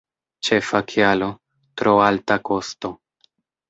Ĉefa kialo: tro alta kosto.